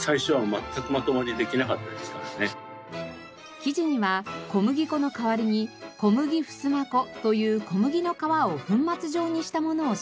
生地には小麦粉の代わりに小麦ふすま粉という小麦の皮を粉末状にしたものを使用。